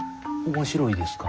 面白いですか？